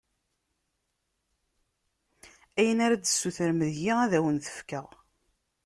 Ayen ara d-tessutrem deg-i, ad wen-t-fkeɣ.